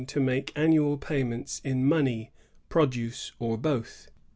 47 annual payments in money, produce, or both.